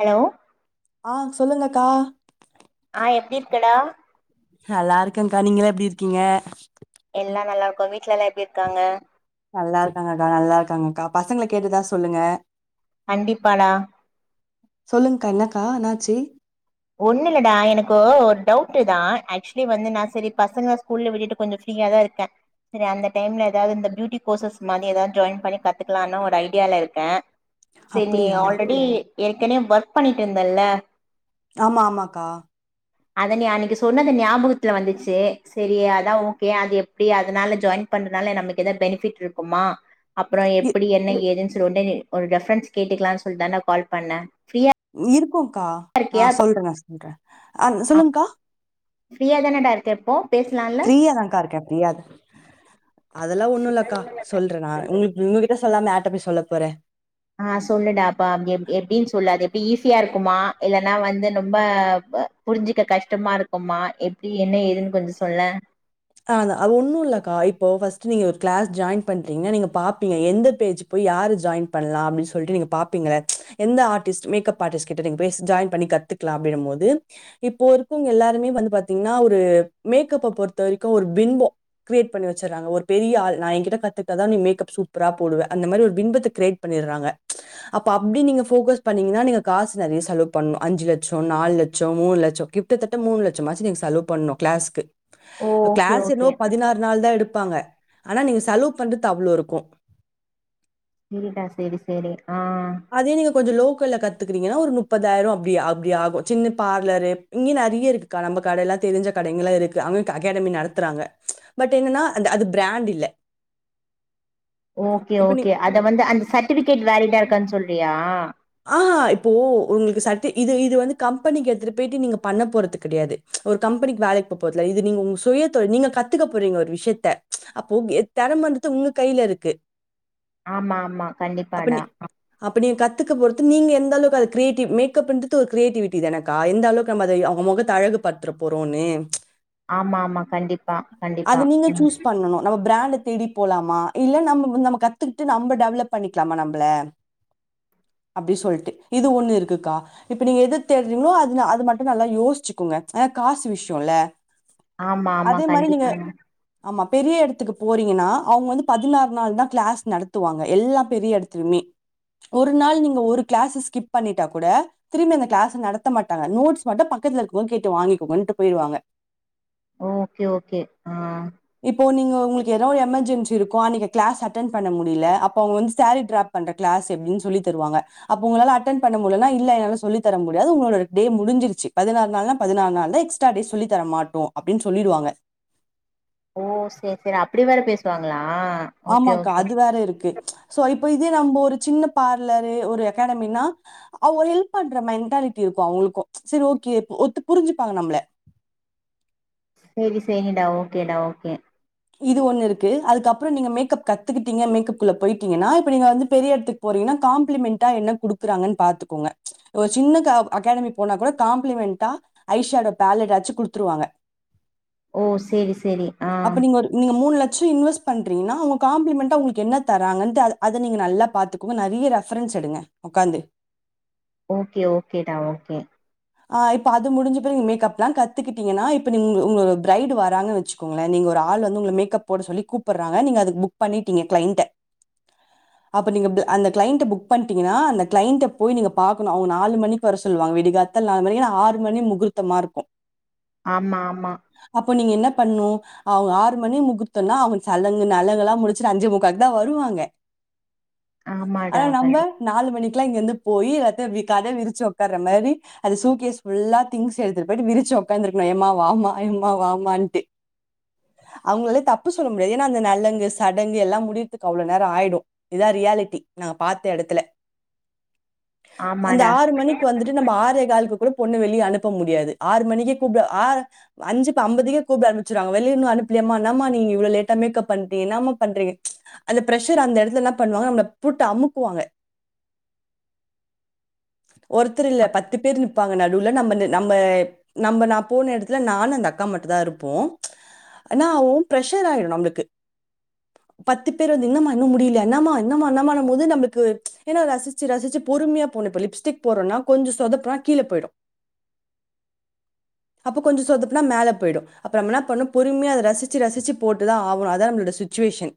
Hello ஆஹ் சொல்லுங்கக்கா ஆஹ் எப்டி இருக்கடா நல்லா இருக்கன்க்கா நீங்களா எப்டி இருக்கீங்க எல்லா நல்லா இருக்கூ வீட்டுலலா எப்டி இருக்காங்க நல்லா இருக்காங்கக்கா நல்லா இருக்காங்கக்கா பசங்கள கேட்டதா சொல்லுங்க கண்டிப்பாடா சொல்லுங்க்கா என்னக்கா என்னாச்சு ஒண்ணு இல்லடா எனக்கு ஒரு டவுட்டு தான் ஆக்சுவலி வந்து நான் செரி பசங்க ஸ்கூல்ல விட்டுட்டு கொஞ்சோ ஃப்ரீயா தான் இருக்கே செரி அந்த டைம்ல எதாவது இந்த பியூட்டி கோர்சஸ் மாரி எதாவது ஜாயின் பண்ணி கத்துக்கலான்னு ஒரு ஐடியால இருக்கே செரி நீ அப்டியா ஆல்ரடி எரு கனே ஒர்க் பண்ணிட்டு இருந்தல்ல ஆமா ஆமாக்கா அத நீ அன்னைக்கு சொன்னத ஞாபகத்துல வந்துச்சு செரி அதான் ஓகே அது எப்டி அதனால ஜாயின் பண்றனால நமக்கு எதா பெனிஃபிட் இருக்குமா அப்பறோ இ எப்டி என்ன ஏதுனு ஒடனே ஒரு ரெபரன்ஸ் கேட்டுக்கலான்னு சொல்லி தான்டா கால் பண்ணே ஃபிரி இருக்கூ க்கா ஆஹ் சொல்றே சொல்றே ஆஹ் சொல்லுங்க்கா ஃப்ரீயா தானடா இருக்க இப்போ பேசலால்ல ஃப்ரீயா தான்க்கா இருக்கே ஃப்ரீயா அதெல்லா ஒண்ணு இல்லக்கா சொல்றே நான் உங்களுக்கு உங்ககிட்ட சொல்லாம யார்ட்ட போய் சொல்ல போறே ஆஹ் சொல்லுடா அப்பா எப் எப்டின்னு சொல்லு அது எப் டி ஈஸியா இருக்குமா இல்லைன்னா வந்து ரொம்ப புரிஞ்சிக்க கஷ்டமா இருக்குமா எப்டி என்ன ஏதுன்னு கொஞ்சோ சொல்லே ஆஹ் அதான் அது ஒன்னுல்லக்கா இப்போ‌ ஃபர்ஸ்ட் நீங்க ஒரு கிளாஸ் ஜாயின் பண்றீங்க நீங்க பாப்பீங்க எந்த பேஜ் போய் யாரு ஜாயின் பண்ணலா அப்டின்னு சொல்லிட்டு நீங்க பாப்பீங்கள எந்த ஆரிஸ்ட் மேக்கப் ஆரிஸ்ட் கிட்ட நீங்க போய் ஜாயின் பண்ணி கத்துக்கலா அப்டின்னு மோது இப்போ இருக்கவங்க எல்லாருமே வந்து பாத்தீங்கன்னா ஒரு மேக்கப்ப பொரு தவரிக்கும் ஒரு பின்பம் கிரேட் பண்ணி வச்சறாங்க ஒரு பெரிய ஆள் நான் என்கிட்ட கத்துக்கிட்டதான் நீ மேக்கப் சூப்பரா போடுவ அந்த மாரி ஒரு பிம்பத்த கிரேட் பண்ணிடுறாங்க அப்ப அப்டி நீங்க போகஸ் பண்ணீங்கன்னா நீங்க காசு நெறயா செலவு பண்ணும் அஞ்சுலட்சம் நாலு லட்சம் மூணுலட்சம் கிட்டத்தட்ட மூணுலட்சம்மாச்சு நீங்க செலவு பண்ணும் கிளாஸுக்கு ஓ ஓகே கிளாஸ் ஓகே என்னவோ பதினாறு நாள் தான் எடுப்பாங்க ஆனா நீங்க செலவு பண்றது அவ்ளோ இருக்கூ செரிடா செரி செரி அதே நீங்க கொஞ்சோ லோக் க்கல கத்துக்கறீங்கன்னா ஒரு முப்பதாயிரோ அப்டி அப்டி ஆகு சின்ன பார்லரு இங்கியு நெறயா இருக்குக்கா நம்ம கடலா தெரிஞ்ச கடைங்களா இருக்கு அவங்க அகாடமி நடத்துறாங்க பட் என்னன்னா அந்த அது பிராண்டு இல்ல ஓகே இப்ப நீ ஓகே அத வந்து அந்த சர்டிபிகேட் வலிட்டா இருக்கனு சொல் றியா ஆஹஹா இப்போ உங்களுக்கு சர்ட் இது இது வந்து கம்பெனிக்கு எடுத்துட்டு போய்ட்டு நீங்க பண்ண போறது கெடையாது ஒரு கம்பெனிக்கு வேலைக்கு போ போறதுல்ல இது நீங்க உங்க சுயதோழி நீங்க கத்துக்க போறீங்க ஒரு விஷயத்த அப்போ தெறமன்றது உங்க கைல இருக்கு ஆமா ஆமா கண்டிப்பாடா த்துக்கு பொறுத்து நீங்க எந்தளவுக்கு கிரேட்வ் மேகப்ன்றது ஒரு கிரியேட்டிவிட்டி த எனக்க எந்தளவுக்கு நம்ம அத அவங்க முகதழகு பத்துற போறோம்ன்னு ஆமா ஆமா கண்டிப்பா கண்டிப்பா நீங்க உம் சூஸ் பண்ணணும் நம்ம பிராண்ட தேடி போலாமா இல்ல நம்ம நம்ம கத்துக்கிட்டு நம்ம டெவலப் பண்ணிக்கலாமா நம்பள அப்டி சொல்ட்டு இது ஒண்ணு இருக்குக்கா இப்ப நீங்க எது தேடுறீங்களோ அது அது மட்டும் நல்லா யோசிச்சுக்கோங்க ஆனா காசு விஷயம்ல்ல ஆமா ஆமா அதே மாரி நீங்க கண்டிப்பாடா ஆமா பெரிய எடுத்து போறீங்கன்னா அவங்க வந்து பதினாறு நாள் தான் கிளாஸ் நடத்துவாங்க எல்லா பெரிய எடத்துலுமே ஒரு ஒரு நாள் நீங்க ஒரு கிளாஸ் ஸ்கிப் பண்ணிட்டா கூட திரும்பி அந்த கிளாஸ் நடத்த மாட்டாங்க நோட்ஸ் மட்டும் பக்கத்துல இருக்க கேட்டு வாங்கிக்கோங்க ட்ணு போயிருவாங்க ஓகே ஓகே ஆ இப்போ நீங்க உங்களுக்கு ஏதாவ ஒரு எமர்ஜென்சி இருக்கோ நீனைங்க கிளாஸ் அட்டென் பண்ண முடியல அப்ப அவங்க வந்து சாரீ ட்ராப் பண்ற கிளாஸ் எப்படின்னு சொல்லி தருவாங்க அப்ப உங்களால அட்டென் பண்ண முடியன்னா இல்லலை என்னால சொல்லித்தர முடியாது உங்களோட டே முடிஞ்சிருச்சு பதினாறு நாள்னா பதினாறு நாள் தான் எக்ஸ்ட்ரா டே சொல்லித்தர மாட்டோம் அப்படின்னு சொல்லிடுவாங்க ஓ சேரி சேரி அப்படி வேற பேசுவாங்களா ஓகே ஆமாக்கா ஓகே அது வேற இருக்கு சோ இப்ப இதே நம்ம ஒரு சின்ன பார்லரு ஒரு அகாடமினா அவ ஒரு ஹெல்ப் பண்ற மென்டாலிட்டி இருக்கும் அவங்களுக்கும் சரி ஓகே ஒத்து புரிஞ்சுப்பாங்க நம்மள சேரி சேரிடா ஓகேடா ஓகே இது ஒண்ணு இருக்கு அதுக்குப்புறம் நீங்க மேக்கப் கத்துக்கிட்டீங்க மேக்கப் குள்ள போயிட்டீங்கன்னா இப்ப நீங்க வந்து பெரிய இடத்துக்கு போறீங்கன்னா காம்ப்ளிமெண்டா என்ன குடுக்குறாங்கன்னு பாத்துக்கோங்க ஒரு சின்ன அகாடமி போனா கூட காம்ப்ளிமெண்டா ஐஷயாவடோட பேலெடாச்சு குடுத்துருவாங்க ஓ சேரி சேரி ஆ அப்ப நீங்க ஒரு நீங்க மூணு லட்சம் சம் இன்வெஸ் பன்றிங்கன்னா அவங்க காம்ப்ளிமென்ட் ஆ உங்களுக்கு என்ன தராங்கன்ட்டு அது அது நல்லா பார்த்துக்கோங்க நெறையா ரெபெரென்ஸ் எடுங்க உட்கார்ந்து ஓகே ஓகேடா ஓகே ஆ இப்ப அது முடிஞ்சப் பிறகு மேக்கப் லாம் கத்துக்கிட்டீங்கன்னா இப்ப பிரரைடு வராங்கன்னு வச்சுக்கோங்கள நீங்க ஒரு ஆள் வந்து மேக்கப் போட சொல்லி கூப்பிடுறாங்கங்க நீங்க அதுக்கு புக் பண்ணிட்டிங்க கிளையண்ட் அ அப்ப நீங்க அந்த கிளையண்ட் புக் பண்ணீடிங்கனா அந்த கிளைண்ட போய் நீங்க பார்க்கணும் அவங்க நாலு மணிக் வர சொல்லுவங்கா விடி கால த்த நாலு மணி ஆறு மணி முகூர்தமா இருக்கும் ஆமா ஆமா பண்ணும் அவங்க ஆறு மணி முகூ்த்தம்னா அவங்க சலங்கு நலங்குல்லாம் முடிச்சுட்டு அஞ்சு முக்காவுக்கு தான் வருவாங்க ஆமாடா ஆனா நம்ம கண்டிப் நாலு மணிக்கு லாம் இங்கிருந்து போயீ அத கதை விரிச்சு உக்கார்ற மாரி அது சூக்கியஸ் ஃபுல்லா திங்ஸ் எடுத்துட்டு போயிட்டு விரிச்சு உடக்காந்துருக்கணும் ஏமா வாம ஏமா வாமான்ட்டு அவங்களாலே தப்பு சொல்ல முடியாதுன்னா அந்த நல்லங்கு சடங்கு எல்லாம் முடியறதுக்கு அவ்வளவு நேரம் ஆயிடும் இதுதான் ரியாலிட்டி நாங்க பாார்த்த எடத்துல அந்த ஆமாடா ஆறு மணிக்கு வந்துட்டு நம்ம ஆற பொண்ண வெளிய அனுப்ப முடியாது ஆறு மணிக்கு ஆ அஞ்சு அம்பதுகே கூப்ட ஆர்மிச்சுருவாங்க வெளிய இன்னும் அனுப்பலயமா என்ன மா நீங்க இவளோ லேட்டா மேக்கப் பண்றீங்க என்ன மா பண்றீங்க அந்த பிரசர் அந்த எடத்துல என்ன பண்ணுவாங்க நம்மள போட்டு அமுக்குவாங்க ஒருத்தர் இல்ல பத் து பேர் நிப்பாங்க நடுவுல நம்ம நம்ம நா போன எடத்துல நானும் அந்த அக்கா மட்டும் தான் இருப்போம் என்னா ஆகும் பிரசர் ஆயிடும் நமக்கு பத்து பேர் வந்து எண்ண மா இன்னும் முடியலயா என்ன மா என்ன மா என்ன மா போது நம்ளுக்கு ரசிச்சு ரசிச்ச பொறுமைய போறனா இப்ப லிப்ஸ்டிக் போட்ரோனா கொஞ்சம் சொத நா கீழே போயிடும் அப்ப கொஞ்சம் சொதப்புன்னா மேல போயீடூம் அப்ப நம்ம என்ன பண்ணனும் பொறுமையா ரசிச்சு ரசிச்சு போட்டுதான் ஆகணும் அதா நம்ம சுட்சிவேஷன்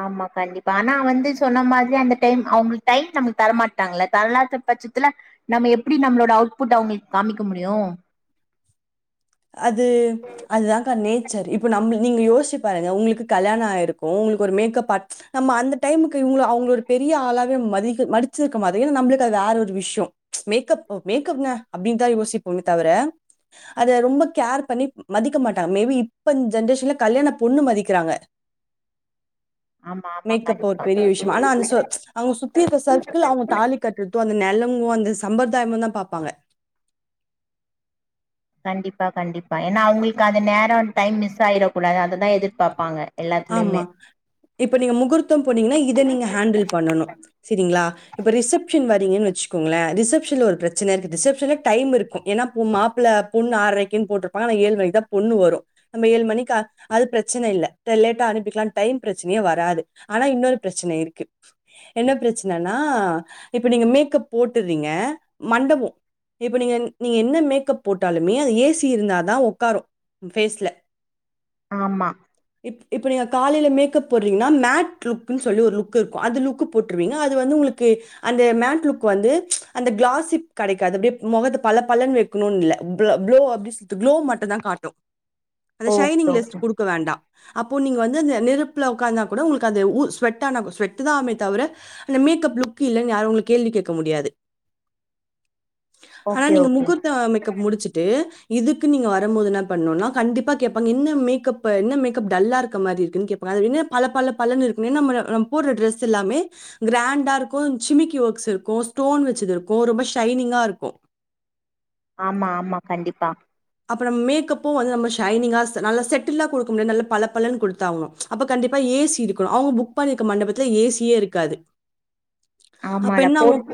ஆமா கண்டிப்பா ஆனா வந்து சொன்ன மாதிரி அந்த டைம் அவங்களுக்கு டைம் நமக்கு தரமாட்டட்டாங்கள தரலாத பட்சத்துல நம்ம எப்படி நம்மளோட அவுட்புட் அவங்களுக்கு காமிக்க முடியும் அது அதுதான் கா நேத் இங்க யோச உங்களுக்கு கல்யாணம் அவ பெரிய ஆளாவ வேற ஒரு விஷயம் அனு யோசிப்போ தவிர அத ரொம்ப கேர் பண்ணி மதிக்க மாட்டாங்க மேபி இப்ப இந்த ஜென்ரேஷன்ல கல்யாண பொண்ணு மதிக்கிறாங்க ஆமா ஆமா மேப் ஒரு கண்டிப்பா பெரிய விஷயம் ஆனா அந்த அவங்க சுத்தி இருந்த சர்கள் அவங்க தாலி கட்டுறதும் அந்த நிலம் அந்த சம்பிரதாயமும் தான் பாப்பாங்க கண்டிப்பா கண்டிப்பா ஏன்னா அவங்களுக்கு அந்த நேரம் டைம் மிஸ் ஆயிட கூடாது அ ஆமா இப்ப நீங்க முகூர்த்தம் போனீங்கன்னா இத நீங்க ஹேண்டில் பண்ணணும் சரிங்களா இப்ப ரிசப்ஷன் வ [unintelligible] வச்சுக்கோ ங்கல ரிசப்ஷன் ஒரு பிரச்ன்ன இருக்கு ரிசப்ஷன் ல டைம் இருக்கும் மாப்ள பொண்ணு ஆரை க்கு போற்றுபாங்க ஆனா ஏழு மணிக்கு தான் பொண்ணு வரும் அது பிரச்சனை இல்ல லேட்டா அனுப்பிக்கலாம் டை பிரச்சனைய வராது ஆனா இன்னொரு பிரச்சனை இருக்கு என்ன பிரச்சனைன்னா இப்ப நீங்க மேக்கப் போட்டுறீங்க மண்டபம் இப்ப நீங்க நீங்க என்ன மேக்கப் போட்டாலுமே ஏசி இருந்தாதான் உ்காரும் பேஸ்ல ஆமா இப்ப நீங்க காலையில மேக்கப் போடுறீங்கன்னா மேட் லுக்ன்னு சொல்லி ஒரு லுக் இருக்கும் அந்த லுக் போட்டுருவீங்க அது வந்து உங்களுக்கு அந்த மேட் லுக் வந்து அந்த கிளாசி கிடைக்காது அப்படியே முகத்தை பல பலன் வைக்கணும்னு இளோ அப்படனு சொல்லிட்டு களோ மட்டம்தான் காட்டும் அந்த ஓகே ஷைனிங் லிஸ்ட் ஓகே கொடுக்க வேண்டாம் அப்போ நீங்க வந்து அந்த நெருப்பு உட்கார்ந்தா கூட உங்களுக்கு அந்த ெட் தான் தவிர அந்த மேப் லக் இல்லு யாரும் உங்க கேள்வி கேட்க முடியாது ஆனா ஓகே நீங்க ஓகே முகூர்த்த மேக்கப் முடிச்சுட்டு இதுக்கு நீங்க வரும்போது என்ன பண்ணுனா கண்டிப்பா கேப்பாங்க என்ன மேக்கப்பு என்ன மேக் கப் டல்லா இருக்க மாரி இருக்கு கேப்பாங்க அது பல பல பலன்னு இருக்குமே நம் நம்ம போடுற டிரஸ் எல்லாமே க்ரேண்டா இருக்கு சிமிக்கி ஒர்க்ஸ் இருக்கு ஸ்டோன் வச்சது இருக்கு ரொம்ப ஷைனிங்கா இருக்கு ஆமா ஆமா கண்டிப்பா அப்ப நம்ம மேக்கப்பும் வந்து நம்ம ஷைனிங்கா ந நல்ல செட்டில்லா குடுக்க முடியாது நல்லா பலப்பலன்னு குடுத்தாகணு அப்ப கண்டிப்பா ஏ சி இருக்கணு அவுங்க புக் பண்ணிருக்க மண்டபத்துல ஏ சி யே இருக்காது அப்ப ஆமாடா என்ன போ ஆகும்?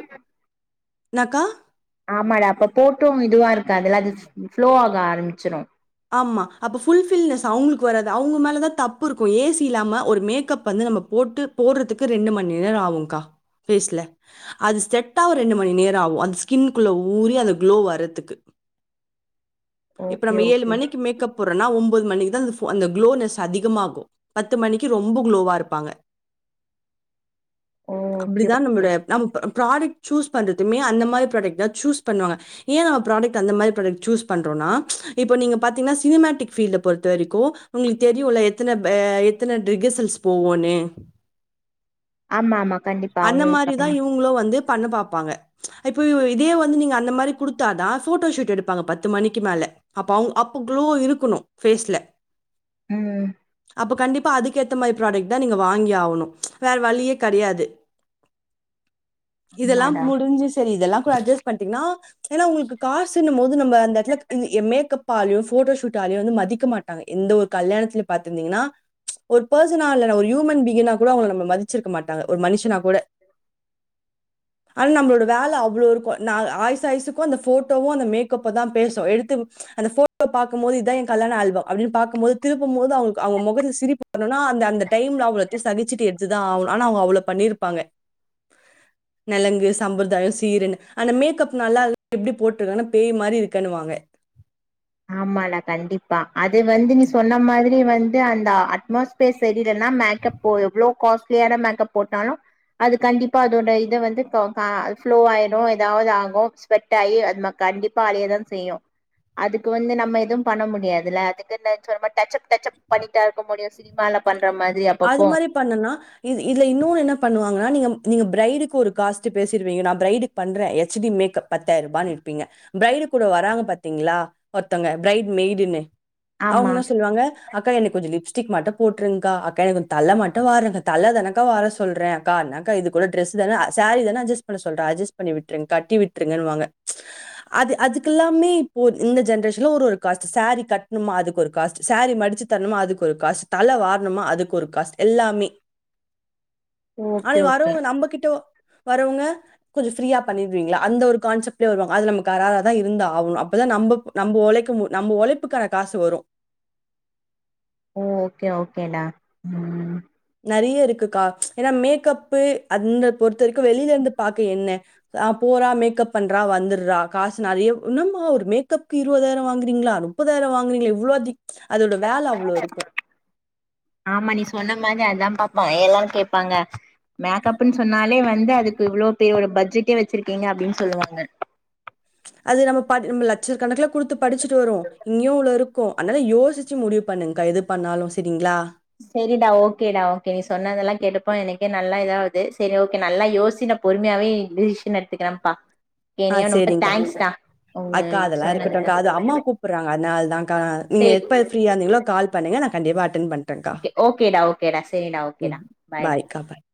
என்னக்கா? ஆமாடா அப்ப போட்டும் இதுவா இருக்காதுல அது ஃப்ளோ ஆக ஆரம்பிச்சிரு ஆமா அப்ப ஃபுல்ஃபில்னஸ் அவங்குளுக்கு வராது அவுங்க மேலதா தப்பு இருக்கு ஏ சி இல்லாம ஒரு மேக்கப் வந்து நம்ம போட்டு போடுறதுக்கு ரெண்டு மண் நேர ஆகுங்க்கா ஃபேஸ்ல அது செட்டாவ ரெண்டு மணி நேர ஆகு அந்த ஸ்கின்க்குள்ள ஊறி அந்த குளோ வர்றதுக்கு ஓகே ஓகே மணிக்கு மேக்கப் போடறனா ஒம் பது மணிக்கு தா அந்த குளோனஸ் அதிகமாகு பத்து மணிக்கு ரொம்ப குளோவா இருப்பாங்க ஓகே அப்படிதா நம்மளுடைய நம் நம்ம ப்ராடக்ட் சூஸ் பண்றதுமே அந்த மாதிரி ப்ராடக்ட தா சூஸ் பண்ணுவாங்க ஏ ப்ராடக்ட் அந்த மாதிரி ப்ராடக்ட் சூஸ் பண்றோனா இப்போ நீங்க பாத்தீங்கன்னா சினிமேட்டிக் ஃபீல்ட பொறுத்த வரைக்கு உங்களுக்கு தெரியுல எத்தனை எ எத்தனை ரிகசல்ஸ் போவுன்னு ஆமா ஆமா கண்டிப்பா அவுங்களுக் இவங்களும் வந்து பண்ண பாப்பாங்க இப்ப இதே வந்து நீங்க அந்த மாரி குடுத்தாதா ஃபோட்டோஷூட் எடுப்பாங்க பத்து மணிக்கு மேல அப்ப அவுங்க குளோ இருக்கணு ஃபேஸ்ல ம் அப்ப கண்டிப்பா அதுக்கு ஏத்த மாதிரி ப்ராடக்ட் தா நீங்க வாங்கி ஆகணு வேற வழியே கெடையாது இதெல்லா ஆமாடா முடிஞ்சு சரி இதெல்லா ப்ப அட்ஜஸ் பண்ணீட்டிங்கன்னா ஏன்னா உங்களுக்கு காசன்னும் போது நம்ம அந்த எடத்துல மேக்கப் ஆலும் போட்டோஷூட் ஆலயு வந்து மதிக்க மாட்டாங்க எந்த ஒரு கல்யாணத்துல பாத்திருந்தீங்கன்னா ஒரு பர்சனா ஒரு ஹியூமன் பீயிங் கா கூட அவுங்க நம்மள மதிச்சிருக்க மாட்டாங்க ஒரு மனுஷனா கூட ஆனா நம்மளோட வேல அவ் ளோ இருக்கு ந ஆயுசு ஆயுசுக்கு அந்த ஃபோட்டோவு அந்த மேக்கப் தா பேசு எடுத்து அந்த ஃபோட்டோ பாக்கும்போது இதுதா எ கல்யாண ஆல்பம் அப்படின்னு பாக்கம்போது திருப்பும் போது அவங்க அவங்க முகத்துல சிரிப்பு வரணுனா அந்த அந்த டைம்ல அவ்வளத்தையு சகிச்சிட்டு எடுத்துதா ஆகனு ஆனா அவங்க அவ்வளவு பண்ணிருப்பாங்க நலங்கு சம்பிரதாய சீருன்னு அந்த மேக்கப் நல்லால எப்படி போட்டுருக்கான்னா பேய் மாதிரி இருக்கன்னுவாங்க ஆமாடா கண்டிப்பா அது வந்து நீ சொன்ன மாதிரி வந்து அந்த அட்மாஸ்பியர் செரியலன்னா மேக்கப் எவ்வளவு காஸ்ட்லியான மேக்கப் போட்டாலு அது கண்டிப்பா அதோட இத வந்து ஃப்ளோ ஆயிடு ஏதாவது ஆகு ஸ்வெட் ஆகி அது கண்டிப்பா அழியதா செய்யு அதுக்கு வந்து நம்ம எதுவும் பண்ண முடியாதுல்ல அதுக்குன்ன டச்சப் டச்சப் பண்ணிட்டா இருக்க முடியு சினிமால பண் அது மாதிரி பண்ணனா இது இதுல இன்னொன்னு என்ன பண்ணுவாங்கன்னா நீங்க நீங்க பிரைடுக்கு ஒரு காஸ்ட் பேசிருவீங்க நான் பிரைடுக்கு பண்றே எச் டி மேக்கப் பத்தாயிர ரூபனு இருப்பீங்க பிரரைடு கூட வராங்க பாத்தீங்களா ஒருத்தங்க பிரைடு மெய்டன்னு அவங்க ஆமா என்ன சொல்லுவாங்க அக்கா எனக்கு கொஞ்ச லிப்ஸ்டிக் மட்டு போட்ருங்க்கா க்கா எனக்கு கொஞ் தல மட்டு வாறுங்க தல தானக்கா வார சொல்றே ன்னக்கா இது கூட டிரஸ் தான சாரீ தானே அஜஸ் பண்ண சொல்றே அஜஸ் பண்ணி விட்டுருங்க கட்டி விட்டுருங்கன்னுவாங்க ம்ச் அது அதுக்கெல்லாமே இப்போ இந்த ஜென்ரேஷன்ல ஒரு ஒரு காஸ்ட் சாரீ கட்டணுமா அதுக்கு ஒரு காஸ்ட் சாரீ மடிச்சு தரணுமா அதுக் ஒரு காஸ்ட் தல வாரணுமா அதுக் ஒரு காஸ்ட் எல்லாமே. ஆனா ஓகே ஓகே வர்றவங்க நம்மகிட்ட வரவங்க கொஞ்சம் ஃப்ரீயா பண்ணிடுவீங்களா அந்த ஒரு கான்செப்ட்லயே வருவாங்க அது நம்ம கராராதா இருந்தாகணு அப்பதா நம் நம்ம உழைக்க நம்ம உழைப்புக்கான காசு வரு ஓ ஓகே ஓகேடா உம். நெறைய இருக்குக்கா ம்ச் ஏன்னா மேக்கப்பு அந்த பொறுத்த வரைக்கு வெளியில இருந்து பாக்க என்ன ஆஹ் போறா மேக்கப் பண்றா வந்துடுறா காசு நெறைய என்னும்மா ஒரு மேக்கப்க்கு இருபதாயிர வாங்குறீங்களா முப்பதாயிர வாங்குறீங்களா இவ்ளோ அதிக அதோட வேலை அவ்வளோ இருக்கும் ஆமா நீ சொன்ன மாரி அதான்ப்பா. யெல்லா கேப்பாங்க மேக்கப்ன்னு சொன்னாலே வந்து அதுக்கு இவ்ளோ பே ஒரு பட்ஜெட்டே வச்சிருக்கீங்க அப்படின்னு சொல்லுவாங்க. அது நம்ம பா நம்ம லட்சக்கணக்கல குடுத்து படிச்சுட்டு வருவோ இங்கேயு இவ்ளோருக்கு அதனால யோசிச்சு முடிவு பண்ணுங்க்கா எது பண்ணாலும் செரிங்களா. செரிடா ஓகேடா ஓகே நீ சொன்னதெல்லா கேட்டுப்ப எனக் நல்லா இதாவது செரி ஓகே நல்லா யோசி நா பொறுமையாவே டிசிஷன் எடுத்துக்குறம்ப்பா. ஆஹ சேரிங்கா அக்கா அதெல்லா இருக்கட்டும்க்கா அது சொன்னதுக்கு அம்மா கூப்புறாங்க அதனாலதான்க்கா நீங்க சேரி எப்ப ஃப்ரீயா இருந்தீங்களோ கால் பண்ணுங்க. கண்டிப்பா அட். அட்டன் பண்றேங்கா ஓகே ஓகேடா ஓகேடா சரிடா உம் ஓகேடா பாய்டா பாய்கா பாய்.